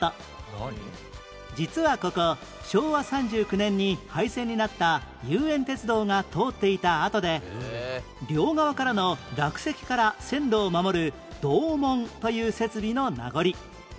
実はここ昭和３９年に廃線になった熊延鉄道が通っていた跡で両側からの落石から線路を守る洞門という設備の名残